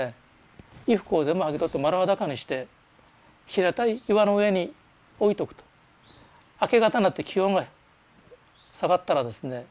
衣服を全部剥ぎ取って丸裸にして平たい岩の上に置いとくと明け方になって気温が下がったらですね